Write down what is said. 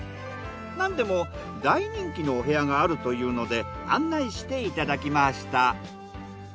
なんでも大人気のお部屋があるというので案内していただきました。